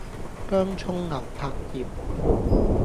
薑蔥牛柏葉